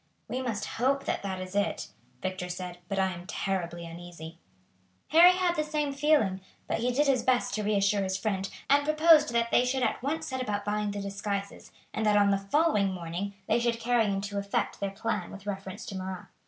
"We must hope that that is it," Victor said, "but I am terribly uneasy." Harry had the same feeling, but he did his best to reassure his friend, and proposed that they should at once set about buying the disguises, and that on the following morning they should carry into effect their plan with reference to Marat.